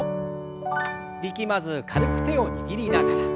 力まず軽く手を握りながら。